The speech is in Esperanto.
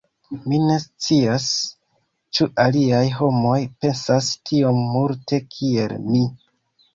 Mi ne scias ĉu aliaj homoj pensas tiom multe kiel mi.